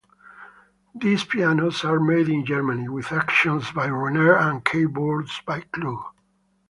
These pianos are made in Germany with actions by Renner and keyboards by Kluge.